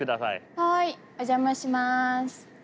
はいお邪魔します。